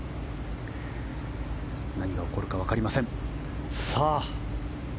何が起こるかわかりません。